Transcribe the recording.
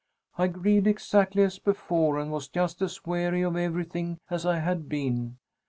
I grieved exactly as before and was just as weary of everything as I had been.